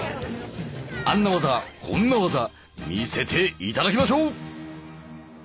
あんな技こんな技見せていただきましょう！